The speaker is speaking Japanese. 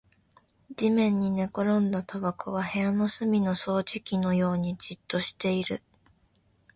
地面に寝転んだタバコは部屋の隅の掃除機のようにじっとしている